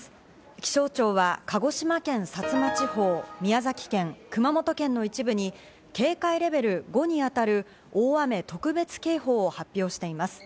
気象庁は鹿児島県薩摩地方、宮崎県、熊本県の一部に警戒レベル５に当たる大雨特別警報を発表しています。